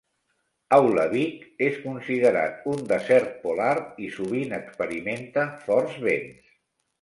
Aulavik és considerat un desert polar i sovint experimenta forts vents.